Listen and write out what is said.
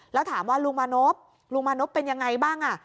แล้วถามว่าลุงมานพลุงมานพเป็นยังไงบ้างอ่ะ